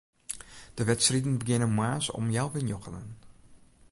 De wedstriden begjinne moarns om healwei njoggenen.